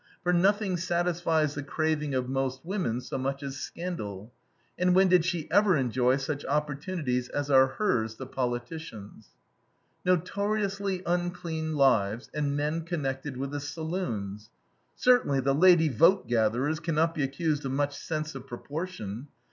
For nothing satisfies the craving of most women so much as scandal. And when did she ever enjoy such opportunities as are hers, the politician's? "Notoriously unclean lives, and men connected with the saloons." Certainly, the lady vote gatherers can not be accused of much sense of proportion.